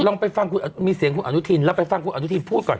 ลองไปฟังคุณมีเสียงคุณอนุทินเราไปฟังคุณอนุทินพูดก่อน